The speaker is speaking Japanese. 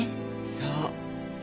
そう。